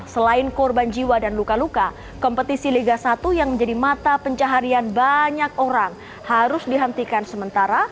selain korban jiwa dan luka luka kompetisi liga satu yang menjadi mata pencaharian banyak orang harus dihentikan sementara